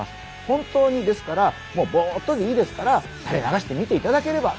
本当にですからボっとでいいですから垂れ流して見ていただければ。